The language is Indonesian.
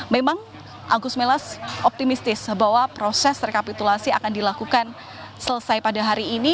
memang agus melas optimistis bahwa proses rekapitulasi akan dilakukan selesai pada hari ini